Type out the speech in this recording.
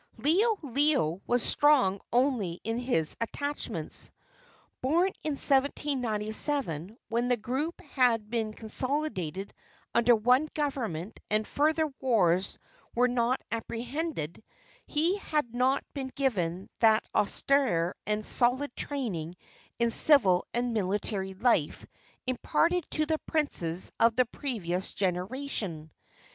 Liholiho was strong only in his attachments. Born in 1797, when the group had been consolidated under one government and further wars were not apprehended, he had not been given that austere and solid training in civil and military life imparted to the princes of the previous generation.